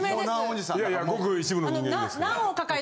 いやいやごく一部の人間にですよ。